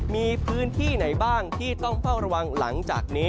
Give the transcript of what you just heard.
มีพื้นที่ไหนบ้างที่ต้องเฝ้าระวังหลังจากนี้